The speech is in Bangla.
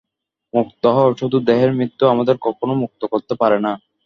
মুক্ত হও, শুধু দেহের মৃত্যু আমাদের কখনও মুক্ত করতে পারে না।